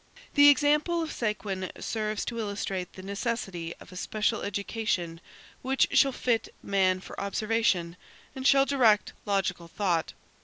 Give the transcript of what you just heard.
The example of Séguin serves to illustrate the necessity of a special education which shall fit man for observation, and shall direct logical thought.